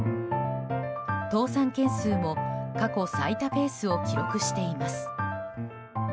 倒産件数も過去最多ペースを記録しています。